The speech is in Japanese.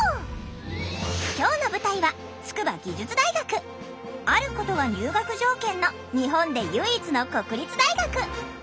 今日の舞台はあることが入学条件の日本で唯一の国立大学。